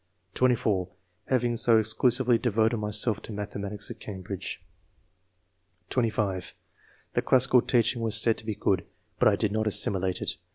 (24) " Having so exclusively devoted myself to mathematics at Cambridge." (25) "The classical teaching was said to be good, but I did not assimilate it.